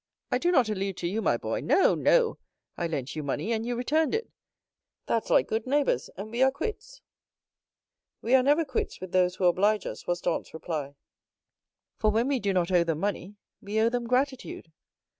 "I do not allude to you, my boy. No!—no! I lent you money, and you returned it; that's like good neighbors, and we are quits." "We are never quits with those who oblige us," was Dantès' reply; "for when we do not owe them money, we owe them gratitude."